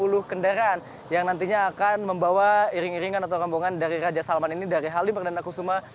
total nanti ada tiga ratus enam puluh kendaraan yang nantinya akan membawa iring iringan atau rombongan dari raja salman ini dari halim padangkosuma